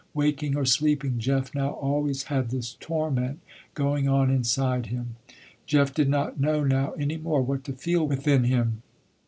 Waking or sleeping Jeff now always had this torment going on inside him. Jeff did not know now any more, what to feel within him.